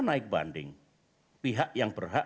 naik banding pihak yang berhak